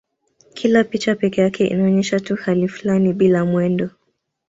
Kila picha pekee yake inaonyesha tu hali fulani bila mwendo.